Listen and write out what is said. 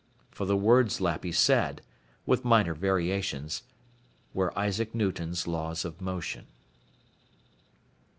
For the words Lappy said, with minor variations, were Isaac Newton's Laws of Motion.